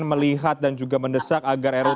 melihat dan juga mendesak agar ruu